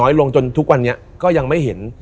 ลงจนทุกวันนี้ก็ยังไม่เห็น